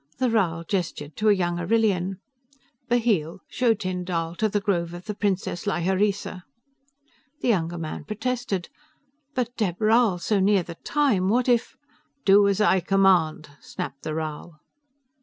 The Rhal gestured to a young Arrillian. "Bheel, show Tyn Dall to the Grove of the priestess Lhyreesa." The younger man protested, "But, Dheb Rhal, so near The Time, what if ..." "Do as I command," snapped the Rhal.